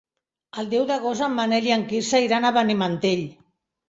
El deu d'agost en Manel i en Quirze iran a Benimantell.